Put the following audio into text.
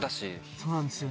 そうなんですよね。